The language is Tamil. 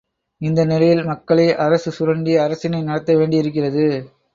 இந்த நிலையில் மக்களை அரசு சுரண்டி அரசினை நடத்த வேண்டியிருக்கிறது.